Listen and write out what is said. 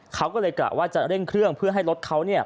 เขาก็เลยกะว่าจะเร่งเครื่องเพื่อให้รถเขา